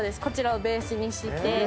こちらをベースにして。